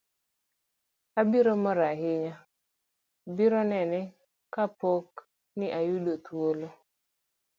abiro mor ahinya biro nene kapo ni ayudo thuolo